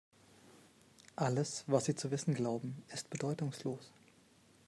Alles, was Sie zu wissen glauben, ist bedeutungslos.